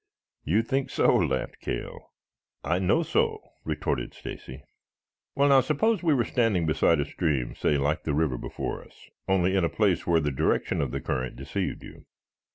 "You think so?" laughed Cale. "I know so," retorted Stacy. "Well, now suppose we were standing beside a stream, say like the river before us, only in a place where the direction of the current deceived you.